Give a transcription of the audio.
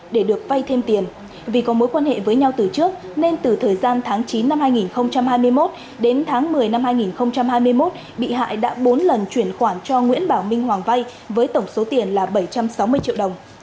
đến tháng một mươi năm hai nghìn hai mươi một bị hại đã bốn lần chuyển khoản cho nguyễn bảo minh hoàng vay với tổng số tiền là bảy trăm sáu mươi triệu đồng